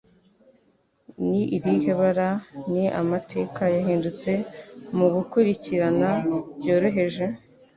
Ni irihe bara ni Amateka Yahindutse Mugukurikirana Byoroheje?